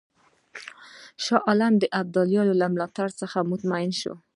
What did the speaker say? شاه عالم د ابدالي له ملاتړ څخه مطمئن شو.